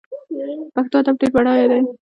پښتو ادب ډیر بډای دی